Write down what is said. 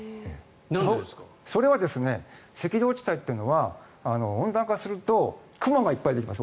赤道地帯というのは温暖化すると雲がいっぱいできます。